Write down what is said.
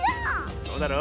そうだろ。